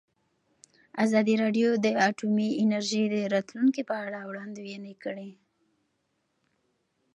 ازادي راډیو د اټومي انرژي د راتلونکې په اړه وړاندوینې کړې.